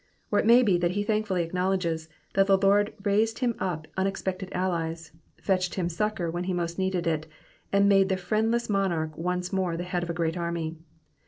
Or it may be that he thankfully acknowledges that the Lord raised him up unexpected allies, fetched him succour when he most needed it, and made the friendless monarch once more the head of a great army.